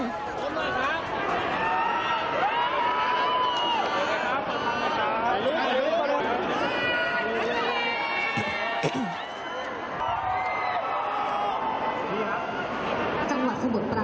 สวัสดีค่ะน้ำตาลสวัสดีค่ะ